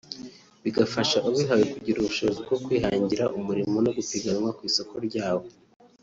bigafasha ubihawe kugira ubushobozi bwo kwihangira umurimo no gupiganwa ku isoko ryawo